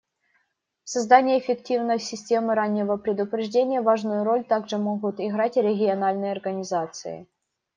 В создании эффективной системы раннего предупреждения важную роль также могут играть региональные организации.